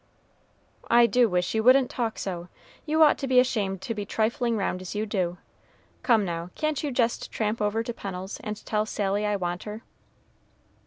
"I do wish you wouldn't talk so. You ought to be ashamed to be triflin' round as you do. Come, now, can't you jest tramp over to Pennel's and tell Sally I want her?"